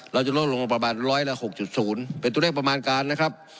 เราจะลดลงมาประมาณร้อยละ๖๐เป็นตัวเลขประมาณการนะครับ